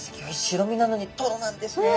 白身なのにトロなんですね。